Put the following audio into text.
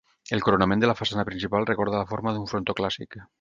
El coronament de la façana principal recorda la forma d'un frontó clàssic.